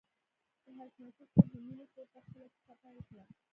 د حشمتي خور د مينې خور ته خپله کيسه پيل کړه.